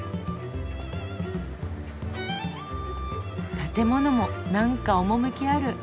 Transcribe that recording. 建物もなんか趣ある。